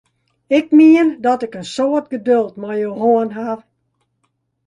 Ik mien dat ik in soad geduld mei jo hân ha!